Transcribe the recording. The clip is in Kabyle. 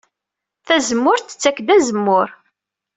Tazemmurt tettak-d azemmur.